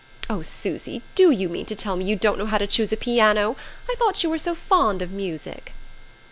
Oh, Susy, do you mean to tell me you don't know how to choose a piano? I thought you were so fond of music!"